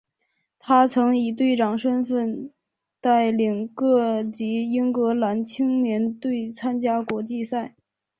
他曾以队长身份带领各级英格兰青年队参加国际赛。